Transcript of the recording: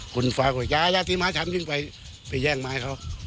คุณฟ้าก็อย่าตีหมาฉันยิ่งไปแย่งไม้เขา